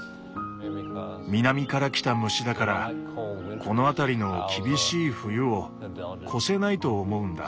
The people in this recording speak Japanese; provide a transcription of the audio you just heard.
南から来た虫だからこの辺りの厳しい冬を越せないと思うんだ。